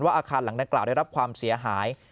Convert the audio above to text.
อาคารหลังดังกล่าวได้รับความเสียหาย